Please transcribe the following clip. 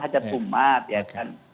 hajat umat ya kan